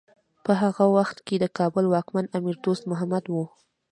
په هغه وخت کې د کابل واکمن امیر دوست محمد و.